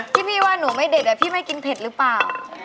คิดว่าหนูไม่เด็ดแต่พี่ไม่กินเผ็ดรึเปล่า